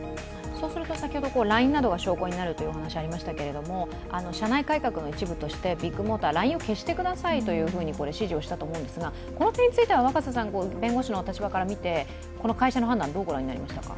そうするとＬＩＮＥなどが証拠になるという話がありましたけど社内改革の一部として、ビッグモーター、ＬＩＮＥを消してくださいと指示をしたと思いますが、この点については弁護士のお立場から見て会社の判断はどうご覧になりましたか？